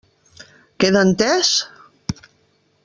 Queda entès?